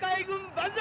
万歳！